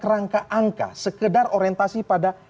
rangka angka sekedar orientasi pada